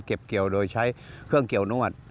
เกี่ยวโดยใช้เครื่องเกี่ยวนวด